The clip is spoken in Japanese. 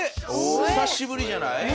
久しぶりじゃない？